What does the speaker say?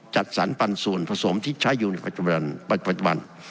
จัดสรรปันส่วนผสมที่ใช้อยู่ในปัจจุบัน